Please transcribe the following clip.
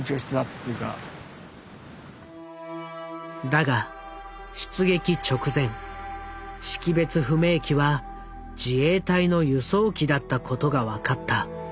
だが出撃直前識別不明機は自衛隊の輸送機だったことが分かった。